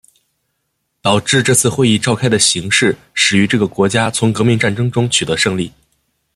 导致这次会议召开的情势始于这个国家从革命战争中取得胜利。